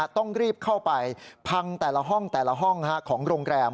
ต้องรีบเข้าไปพังแต่ละห้องของโรงแรม